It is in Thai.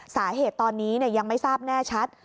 สาเหตุตอนนี้ยังไม่ทราบแน่ชัด